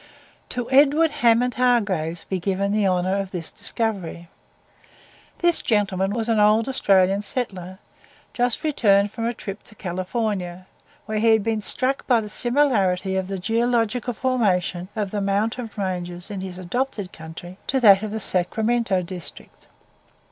To Edward Hammond Hargreaves be given the honour of this discovery. This gentleman was an old Australian settler, just returned from a trip to California, where he had been struck by the similarity of the geological formation of the mountain ranges in his adopted country to that of the Sacramento district.